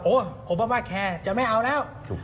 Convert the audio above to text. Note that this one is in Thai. โอเบอร์ว่าแคร์จะไม่เอาแล้ว